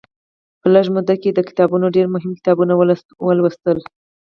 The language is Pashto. په لږه موده کې یې د کتابتون ډېر مهم کتابونه ولوستل.